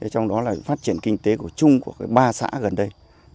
trong đó là phát triển kinh tế của chung của ba xã gần đây